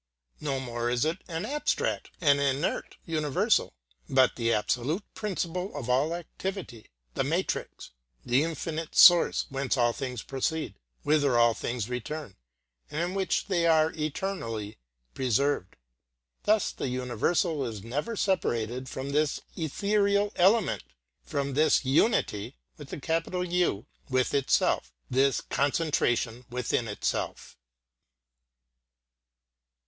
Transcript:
No more is it an abstract and inert universal, but the absolute principle of all activity, the matrix, the infinite source whence all things proceed, whither all things return, and in which they are eternally preserved. Thus the universal is never separated from this ethereal [pg 145]element, from this Unity with itself, this concentrationwithin itself.